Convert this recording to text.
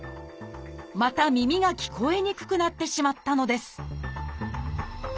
また耳が聞こえにくくなってしまったのです